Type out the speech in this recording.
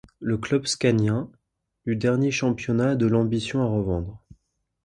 Le club scanien, du dernier championnat a de l'ambition à revendre.